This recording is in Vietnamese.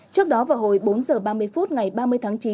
trước đó vào hồi bốn h ba mươi phút ngày ba mươi tháng chín